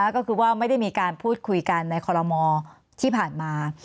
ก็คือว่าไม่ได้มีการพูดคุยกันในคอลโมที่ผ่านมา